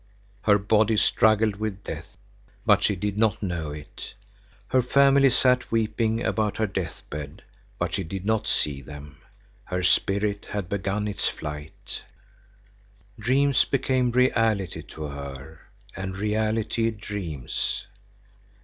Her body struggled with death, but she did not know it. Her family sat weeping about her deathbed, but she did not see them. Her spirit had begun its flight. Dreams became reality to her and reality dreams.